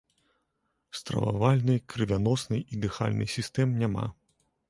Стрававальнай, крывяноснай і дыхальнай сістэм няма.